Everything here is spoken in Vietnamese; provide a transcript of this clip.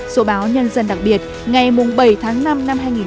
số báo nhân dân đặc biệt ngày bảy tháng năm năm hai nghìn hai mươi bốn